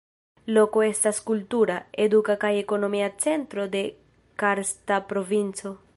Loko estas kultura, eduka kaj ekonomia centro de Karsta provinco.